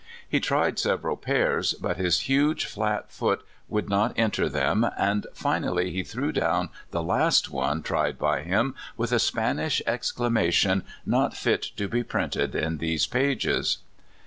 He tried several pairs, but his huge flat foot would not enter them, and finally he threw down the last one tried by him with a Spanish exclamation not fit to be printed in these pages.